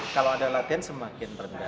kalau ada latihan semakin rendah